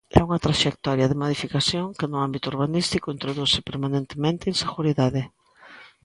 É unha traxectoria de modificación que no ámbito urbanístico introduce permanentemente inseguridade.